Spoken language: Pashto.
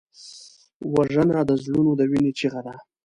وژنه د زړونو د وینې چیغه ده